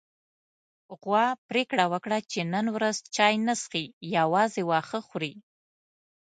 غوا پرېکړه وکړه چې نن ورځ چای نه څښي، يوازې واښه خوري.